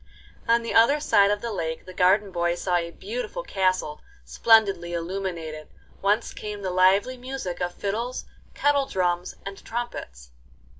On the other side of the lake the garden boy saw a beautiful castle splendidly illuminated, whence came the lively music of fiddles, kettle drums, and trumpets.